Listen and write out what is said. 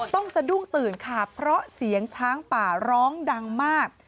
สะดุ้งตื่นค่ะเพราะเสียงช้างป่าร้องดังมาก